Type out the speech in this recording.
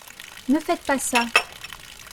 Ne faites pas ça.